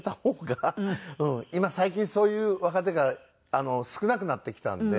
今最近そういう若手が少なくなってきたんで。